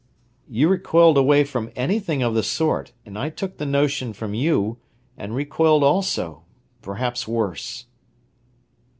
"You recoiled away from anything of the sort, and I took the motion from you, and recoiled also, perhaps worse."